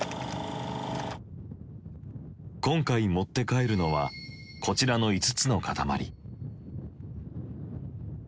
今回持って帰るのはこちらの５つの塊。